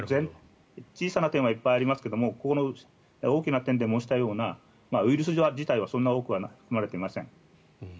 小さな点はいっぱいありますがこの大きな点で申したようなウイルス自体はそんなに多くは含まれていません。